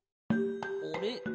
あれ？